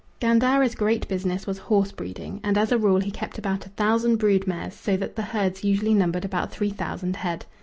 Gandara's great business was horse breeding, and as a rule he kept about a thousand brood mares, so that the herds usually numbered about three thousand head.